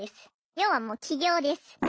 要はもう起業です。